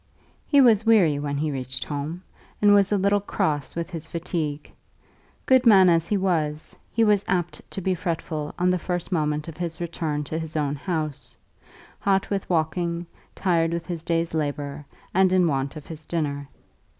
He was weary when he reached home, and was a little cross with his fatigue. Good man as he was, he was apt to be fretful on the first moment of his return to his own house, hot with walking, tired with his day's labour, and in want of his dinner.